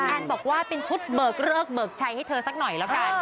แอนบอกว่าเป็นชุดเบิกเลิกเบิกชัยให้เธอสักหน่อยแล้วกัน